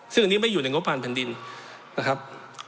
ซึ่งอันนี้ไม่อยู่ในงบผ่านแผ่นดินนะครับ